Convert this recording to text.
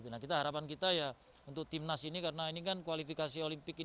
nah harapan kita ya untuk tim nas ini karena ini kan kualifikasi olimpik ini